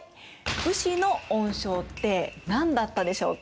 武士の恩賞って何だったでしょうか？